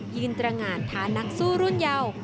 ยืนตระหง่านทานกสู้รุ่นยาว